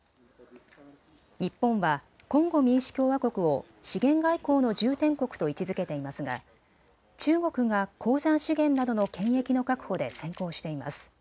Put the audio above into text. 日本はコンゴ民主共和国を資源外交の重点国と位置づけていますが中国が鉱山資源などの権益の確保で先行しています。